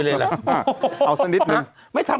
ต้องนับไปเป็นนับ